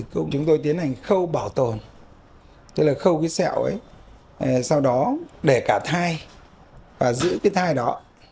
cũng chúng tôi tiến hành khâu bảo tồn tức là khâu cái sẹo ấy sau đó để cả thai và giữ cái thai đó